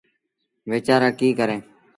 ويچآرآ ڪيٚ ڪريݩ۔